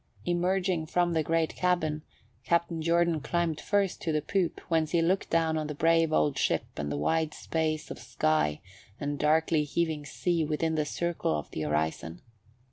Emerging from the great cabin, Captain Jordan climbed first to the poop, whence he looked down on the brave old ship and the wide space of sky and darkly heaving sea within the circle of the horizon.